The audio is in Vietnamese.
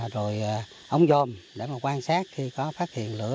rồi ống dồn để quan sát khi có phát hiện lửa